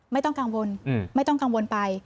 ไม่ต้องกังวลไม่ต้องกังวลไป